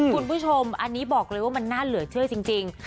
คุณผู้ชมอันนี้บอกเลยว่ามันน่าเหลือเชื่อจริง